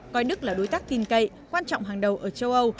coi đức là đối tác tin cậy quan trọng hàng đầu ở châu âu